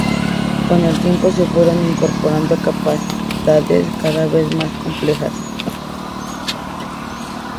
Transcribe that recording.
Con el tiempo, se fueron incorporando capacidades cada vez más complejas.